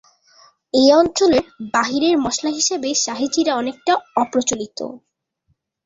এই অঞ্চলের বাইরে মসলা হিসেবে শাহী জিরা অনেকটা অপ্রচলিত।